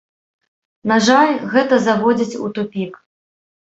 На жаль, гэта заводзіць у тупік.